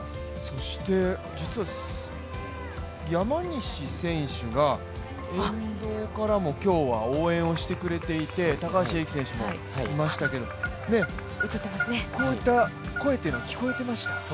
そして実は、山西選手が沿道からも今日は応援をしてくれていて、高橋英輝選手もいましたけど、こういった声というのは聞こえていました？